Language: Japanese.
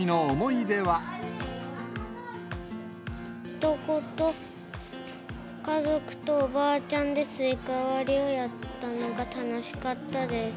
いとこと家族とおばあちゃんで、スイカ割りをやったのが楽しかったです。